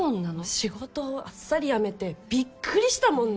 仕事をあっさり辞めてびっくりしたもんね。